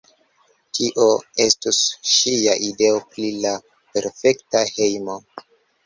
Tio estus ŝia ideo pri la perfekta hejmo.